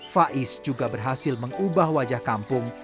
faiz juga berhasil mengubah wajah kampung